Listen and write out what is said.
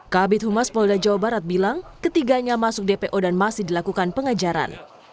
kabit humas polda jawa barat bilang ketiganya masuk dpo dan masih dilakukan pengejaran